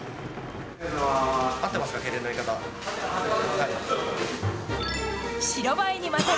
合ってますか？